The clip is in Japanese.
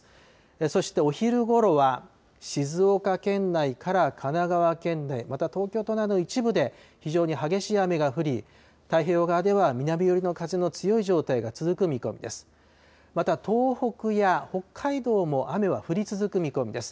そしてお昼ごろは静岡県内から神奈川県内、また東京都内の一部で非常に激しい雨が降り、太平洋側では南寄りの風が強い状態が続く見込みです。